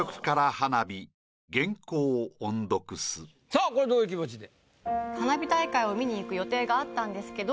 さぁこれどういう気持ちで？